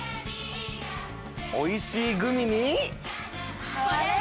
おいしいグミに？